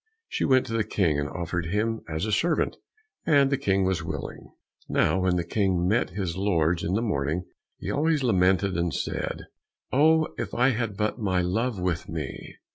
She went to the King, and offered him as a servant, and the King was willing. Now when the King met his lords in the morning, he always lamented and said, "Oh, if I had but my love with me."